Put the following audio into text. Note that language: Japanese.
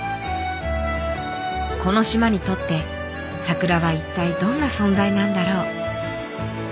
この島にとって桜は一体どんな存在なんだろう。